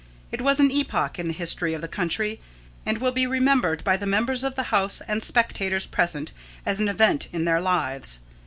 It was an epoch in the history of the country, and will be remembered by the members of the House and spectators present as an event in their lives.